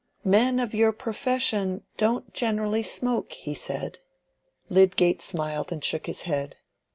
"Men of your profession don't generally smoke," he said. Lydgate smiled and shook his head.